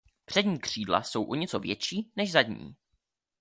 Přední křídla jsou o něco větší než zadní.